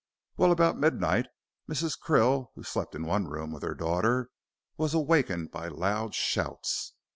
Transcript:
Well, about midnight, Mrs. Krill, who slept in one room with her daughter, was awakened by loud shouts.